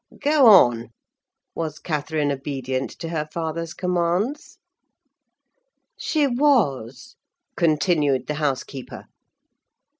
Go on. Was Catherine obedient to her father's commands?" "She was," continued the housekeeper.